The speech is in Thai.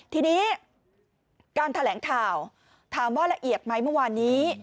ทีนี้การแถลงข่าวถามว่าละเอียดไหมเมื่อวานนี้